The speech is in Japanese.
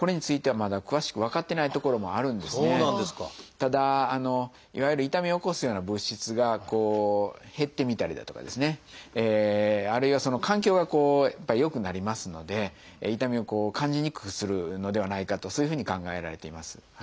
ただいわゆる痛みを起こすような物質が減ってみたりだとかですねあるいは環境が良くなりますので痛みを感じにくくするのではないかとそういうふうに考えられています。